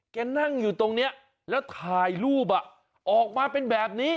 แกนั่งอยู่ตรงนี้แล้วถ่ายรูปออกมาเป็นแบบนี้